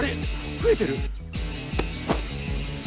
ふえてる！